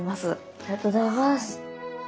ありがとうございます。